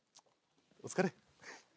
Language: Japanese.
お疲れ。